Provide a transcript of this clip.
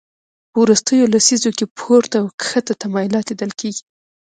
په وروستیو لسیزو کې پورته او کښته تمایلات لیدل کېږي